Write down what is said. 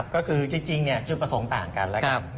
ก็คือจริงจุดประสงค์ต่างกัน